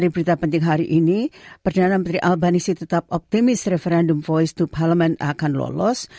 pada hari ini perdana menteri albanisi tetap optimis referendum voice to parliament akan lolos